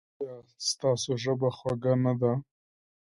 ایا ستاسو ژبه خوږه نه ده؟